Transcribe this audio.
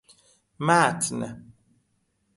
متن